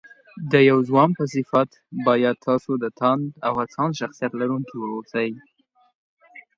د يو ځوان په صفت بايد تاسو د تاند او هڅاند شخصيت لرونکي واوسئ